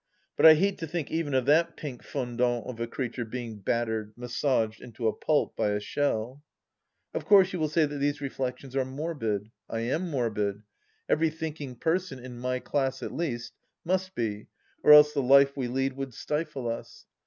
But I hate to think even of that pink fondant of a creature being battered — ^massaged — into a pulp by a shell !... Of course you will say that these reflections are morbid. 1 am morbid. Every thinking person, in my class at least, must be, or else the life we lead would stifle us.